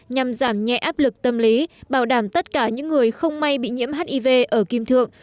nhằm giảm nhẹ áp lực tâm lý bảo đảm tất cả những người không may bị nhiễm hiv ở kim thượng